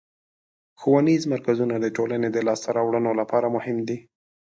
ښوونیز مرکزونه د ټولنې د لاسته راوړنو لپاره مهم دي.